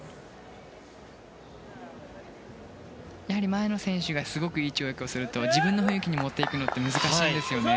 やはり前の選手がいい跳躍をすると自分の雰囲気に持っていくのって難しいんですよね。